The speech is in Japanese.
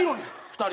２人。